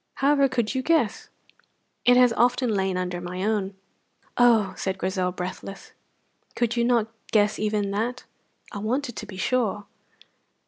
"However could you guess!" "It has often lain under my own." "Oh!" said Grizel, breathless. "Could you not guess even that?" "I wanted to be sure.